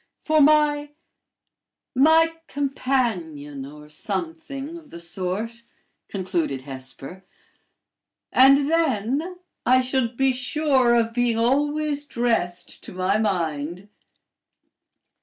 " For my my companion, or something of the sort," concluded Hesper; "and then I should be sure of being always dressed to my mind."